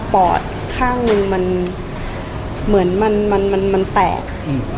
อดข้างหนึ่งมันเหมือนมันมันแตก